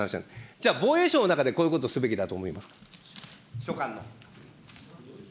じゃあ、防衛省の中で、こういうことをすべきだと思います、所管の。